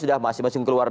sudah masing masing keluar